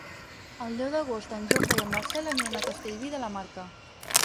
El deu d'agost en Jofre i en Marcel aniran a Castellví de la Marca.